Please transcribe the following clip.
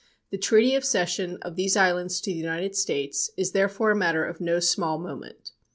The treaty of cession of these islands to the United States is therefore a matter of no small moment.